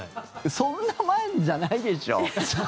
そんな前じゃないでしょ。